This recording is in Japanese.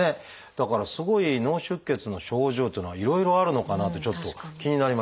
だからすごい脳出血の症状っていうのはいろいろあるのかなってちょっと気になりましたね。